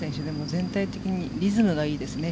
全体的にリズムがいいですね。